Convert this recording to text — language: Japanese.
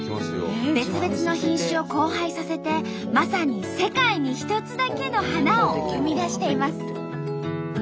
別々の品種を交配させてまさに「世界に一つだけの花」を生み出しています。